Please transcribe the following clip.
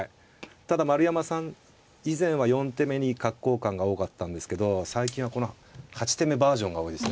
ただ丸山さん以前は４手目に角交換が多かったんですけど最近はこの８手目バージョンが多いですね。